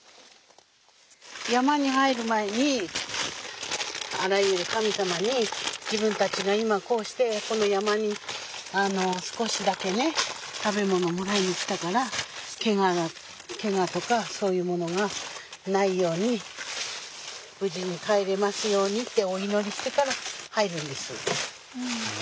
山に入る前にあらゆる神様に自分たちが今こうしてこの山に少しだけね食べ物もらいに来たからけがとかそういうものがないように無事に帰れますようにってお祈りしてから入るんです。